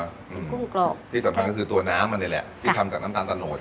กุ้งกรอบที่สำคัญก็คือตัวน้ำมันนี่แหละที่ทำจากน้ำตาลตะโนด